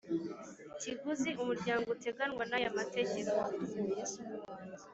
Kiguzi umuryango uteganywa n aya mategeko